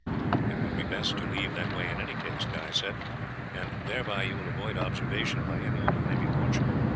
"It would be best to leave that way in any case," Guy said, "and thereby you will avoid observation by anyone who may be watching.